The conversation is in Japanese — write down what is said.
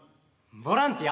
ボランティア。